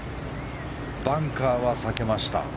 バンカーは避けました。